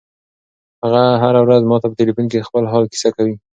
هغه هره ورځ ماته په ټیلیفون کې د خپل حال کیسه کوي.